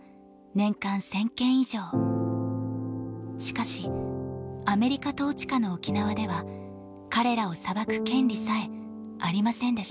しかしアメリカ統治下の沖縄では彼らを裁く権利さえありませんでした。